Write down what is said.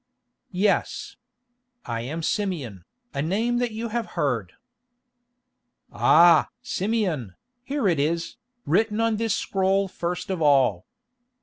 "Yes. I am Simeon, a name that you have heard." "Ah! Simeon, here it is, written on this scroll first of all.